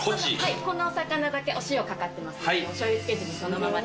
このお魚だけお塩掛かってますのでおしょうゆつけずにそのままで。